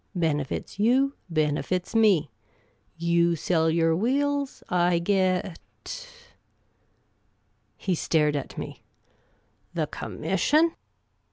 Bene fits you ; benefits me. You sell your wheels ; I get " He stared at me. " The commission